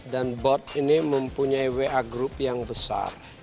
dan bot ini mempunyai wa group yang besar